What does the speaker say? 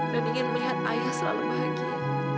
dan ingin melihat ayah selalu bahagia